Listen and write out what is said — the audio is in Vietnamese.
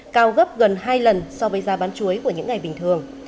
cao gấp gần hai lần so với giá bán chuối của những ngày bình thường